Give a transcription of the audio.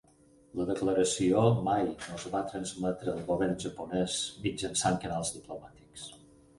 La declaració mai no es va transmetre al govern japonès mitjançant canals diplomàtics.